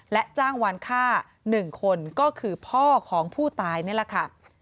และจ้างวานฆ่า๑คนก็คือพ่อของผู้ตายนี่แหละค่ะ